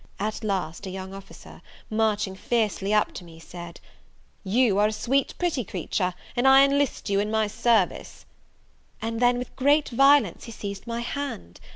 At last a young officer, marching fiercely up to me, said, "You are a sweet pretty creature, and I enlist you in my service;" and then, with great violence, he seized my hand.